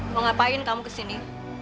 mau ngapain kamu kesini